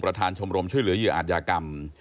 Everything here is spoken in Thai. ชมรมช่วยเหลือเหยื่ออาจยากรรม